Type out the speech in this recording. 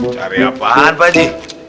cari apaan pakji